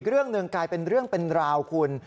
เรื่องหนึ่งกลายเป็นเรื่องเป็นราวคุณ